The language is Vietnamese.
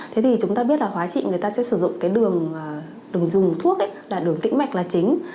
thế thì chúng ta biết là hóa trị người ta sẽ sử dụng đường dùng thuốc đường tĩnh mạch là chính